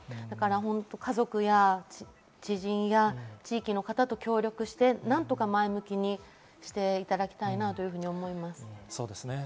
家族や知人や地域の方と協力して、何とか前向きにしていただきたいなと思います。